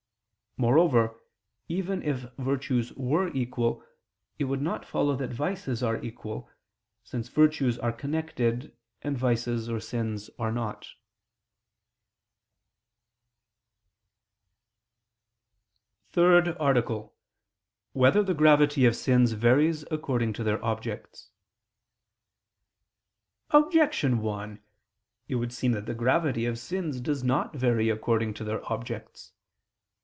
Moreover, even if virtues were equal, it would not follow that vices are equal, since virtues are connected, and vices or sins are not. ________________________ THIRD ARTICLE [I II, Q. 73, Art. 3] Whether the Gravity of Sins Varies According to Their Objects? Objection 1: It would seem that the gravity of sins does not vary according to their objects.